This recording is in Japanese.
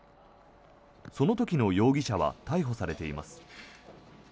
その時の容疑者は逮捕されています。